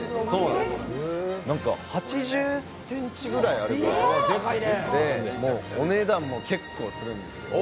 なんか８０ｃｍぐらいあって、お値段も結構するんですよ。